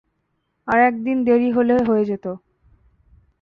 আর এক দিন দেরি হলে হয়ে যেত।